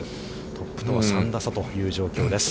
トップとは３打差という状況です。